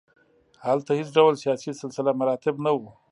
هلته هېڅ ډول سیاسي سلسله مراتب نه وو.